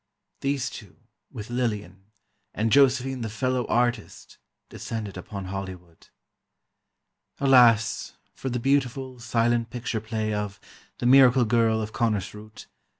These two, with Lillian, and Josephine the "fellow artist," descended upon Hollywood. Alas, for the beautiful, silent picture play of "The Miracle Girl of Konnersreuth."